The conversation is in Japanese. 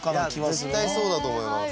絶対そうだと思います。